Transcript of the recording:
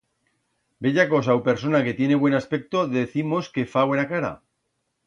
Bella cosa u persona que tiene buen aspecto decimos que fa buena cara.